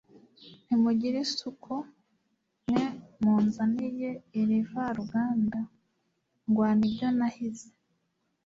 ntimugira isuku mwe munzaniye irivaruganda! Ndwana ibyo nahize,